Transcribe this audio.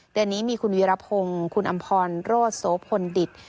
เดือนนี้มีคุณวีรพงศ์คุณอำพรโรธโสพลดิต